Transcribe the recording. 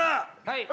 はい。